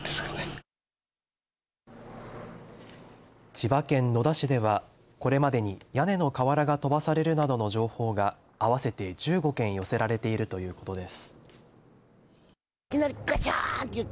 千葉県野田市ではこれまでに屋根の瓦が飛ばされるなどの情報が合わせて１５件寄せられているということです。